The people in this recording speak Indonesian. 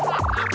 satu dua tiga